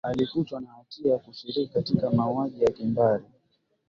alikutwa na hatia ya kushiriki katika mauaji ya kimbari